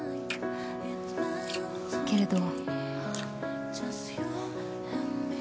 けれど。